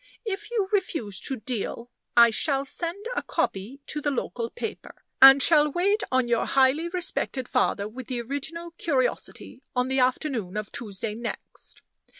If you refuse to deal, I shall send a copy to the local paper, and shall wait on your highly respected father with the original curiosity, on the afternoon of Tuesday next.